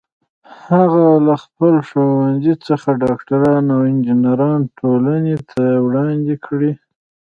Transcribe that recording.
هغه له خپل ښوونځي څخه ډاکټران او انجینران ټولنې ته وړاندې کړي